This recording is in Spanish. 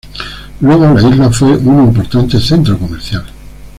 Luego la isla fue un importante centro comercial.